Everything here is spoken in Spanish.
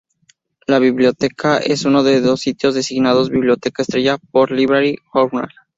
La biblioteca es uno de los sitios designados "Biblioteca Estrella" por Library Journal.